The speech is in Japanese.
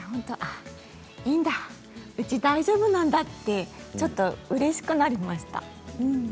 いいんだ、うち大丈夫なんだってうれしくなりました。